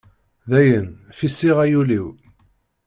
Dayen fisiɣ ay ul-iw.